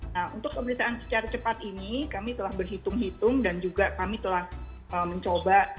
nah untuk pemeriksaan secara cepat ini kami telah berhitung hitung dan juga kami telah mencoba